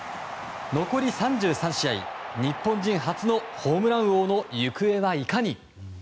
残り３３試合、日本人初のホームラン王の行方はいかに。